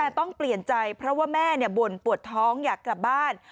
แต่ต้องเปลี่ยนใจเพราะว่าแม่บ่นปวดท้องอยากกลับบ้าน